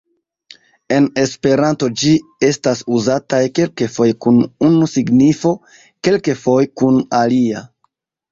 En Esperanto ĝi estas uzataj kelkfoje kun unu signifo, kelkfoje kun alia.